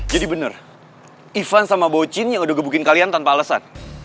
jadi bener ivan sama bocin yang udah gebukin kalian tanpa alasan